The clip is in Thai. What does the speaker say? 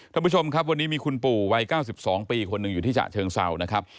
ท่านผู้ชมครับวันนี้มีคุณปู่วัย๙๒ปีคนหนึ่งอยู่ที่ฉะเชิงเศร้านะครับ